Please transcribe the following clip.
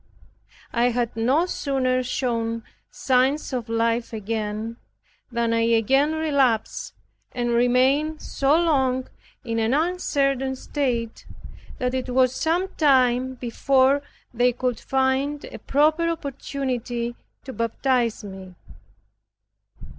I had no sooner shown signs of life again, than I again relapsed, and remained so long in an uncertain state, that it was some time before they could find a proper opportunity to baptize me.